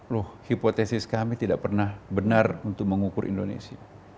loh hipotesis kami tidak pernah benar untuk mengukur indonesia